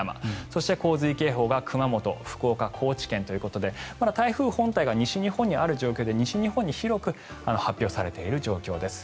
そして、洪水警報が熊本、福岡、高知県ということでまだ台風本体が西日本にある状況で西日本に広く発表されている状況です。